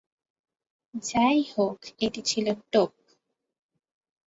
যাইহোক এটি ছিল টোপ।